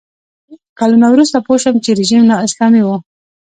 کلونه وروسته پوه شوم چې رژیم نا اسلامي نه و.